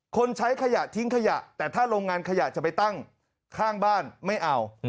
ใช้ขยะทิ้งขยะแต่ถ้าโรงงานขยะจะไปตั้งข้างบ้านไม่เอา